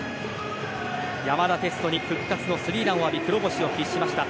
山田哲人に復活のスリーランを浴び黒星を喫しました。